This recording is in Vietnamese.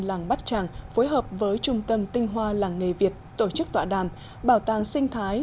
làng bát tràng phối hợp với trung tâm tinh hoa làng nghề việt tổ chức tọa đàm bảo tàng sinh thái